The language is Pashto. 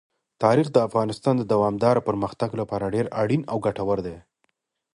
تاریخ د افغانستان د دوامداره پرمختګ لپاره ډېر اړین او ګټور دی.